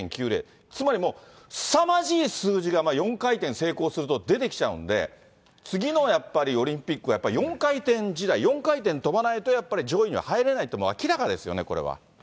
つまりもう、すさまじい数字が４回転、成功すると出てきちゃうんで、次のやっぱりオリンピックは、やっぱり、４回転時代、４回転跳ばないとやっぱり上位には入れないって明らかですよね、